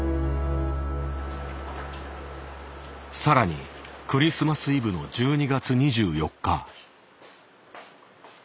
更にクリスマスイブの１２月２４日。